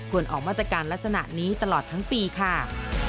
ออกมาตรการลักษณะนี้ตลอดทั้งปีค่ะ